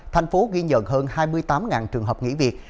tp hcm ghi nhận hơn hai mươi tám trường hợp nghỉ việc